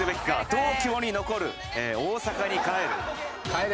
「東京に残る大阪に帰る」「帰れ！